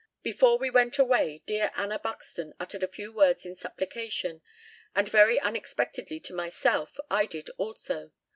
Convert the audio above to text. Before we went away dear Anna Buxton uttered a few words in supplication, and very unexpectedly to myself I did also.